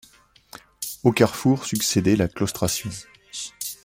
Au carrefour succédait la claustration.